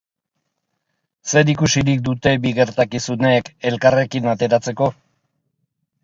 Zer ikusirik dute bi gertakizunek elkarrekin ateratzeko?